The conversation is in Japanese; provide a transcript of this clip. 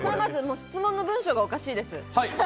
質問の文章がおかしいです。